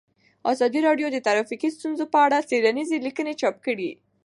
ازادي راډیو د ټرافیکي ستونزې په اړه څېړنیزې لیکنې چاپ کړي.